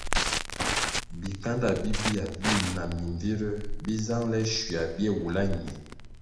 Bikándá bibia bi na mimbviruer bi zangele schuia bie wula ñie.